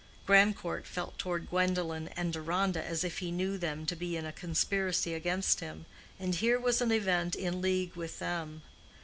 Grandcourt felt toward Gwendolen and Deronda as if he knew them to be in a conspiracy against him, and here was an event in league with them.